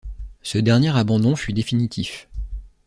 Ce dernier abandon fut définitif.